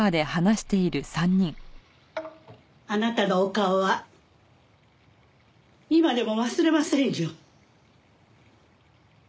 あなたのお顔は今でも忘れませんよ。